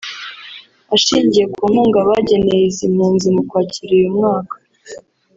ashingiye ku nkunga bageneye izi mpunzi mu Kwakira uyu mwaka